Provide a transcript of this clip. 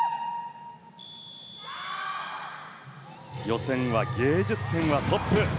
予選は芸術点はトップ。